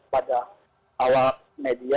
pada awal media